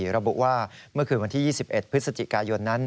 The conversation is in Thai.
ระบุว่าเมื่อคืนวันที่๒๑พฤศจิกายนนั้น